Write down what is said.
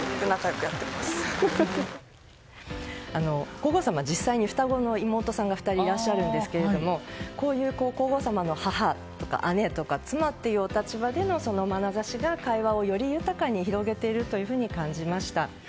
皇后さまは実際に双子の妹さんが２人いらっしゃるんですがこういう皇后さまの母とか姉とか妻というお立場でのまなざしが会話をより豊かに広げているというふうに感じました。